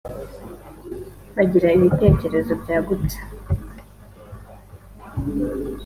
bagira ibitekerezo byagutse